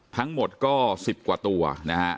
ทั้งหมดก็๑๐กว่าตัวนะฮะ